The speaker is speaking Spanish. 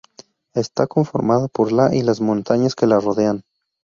Está conformada por la y las montañas que la rodean.